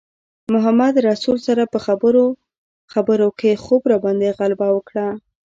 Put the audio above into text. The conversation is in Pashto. محمدرسول سره په خبرو خبرو کې خوب راباندې غلبه وکړه.